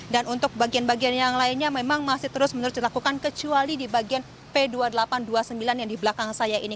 dan untuk bagian bagian yang lainnya memang masih terus menurut dilakukan kecuali di bagian p dua puluh delapan dua puluh sembilan yang di belakang saya ini